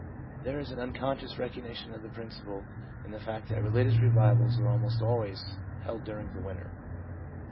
There is an unconscious recognition of this prin ciple in the fact that religious revivals are almost always held during the winter.